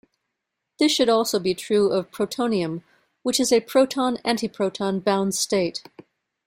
This should also be true of protonium, which is a proton-antiproton bound state.